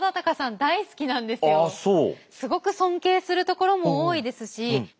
ああそう。